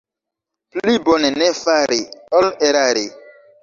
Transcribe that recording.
Pli bone ne fari, ol erari.